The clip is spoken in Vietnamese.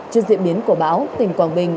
trước diễn biến của bão tỉnh quảng bình